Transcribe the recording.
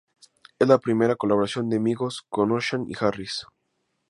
Es la primera colaboración de Migos con Ocean y Harris.